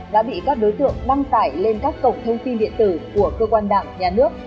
đã bị các đối tượng đăng tải lên các cổng thông tin điện tử của cơ quan đảng nhà nước